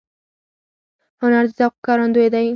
هنر د ذوق ښکارندوی دی